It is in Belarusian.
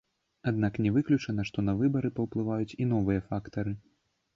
Аднак не выключана, што на выбары паўплываюць і новыя фактары.